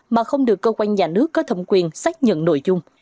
mà không được cơ quan nhà nước có thẩm quyền xác nhận nội dung